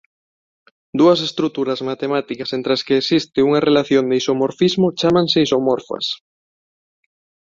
Dúas estruturas matemáticas entre as que existe unha relación de isomorfismo chámanse isomorfas.